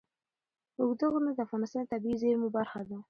اوږده غرونه د افغانستان د طبیعي زیرمو برخه ده.